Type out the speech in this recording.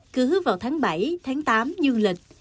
cứ vào tháng bảy tháng tám dương lịch